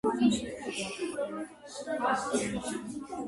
მე მარცვალი ვარ, უფლის კალთიდან გადმოვარდნილი.